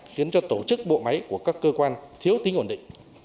khiến cho tổ chức bộ máy của các cơ quan thiếu tính ổn định